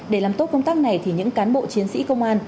để làm tốt công tác này thì những cán bộ chiến sĩ công an